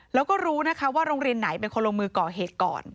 แล้วก็รู้นะคะว่าโรงเรียนไหนเป็นคนลงมือก่อเหตุก่อน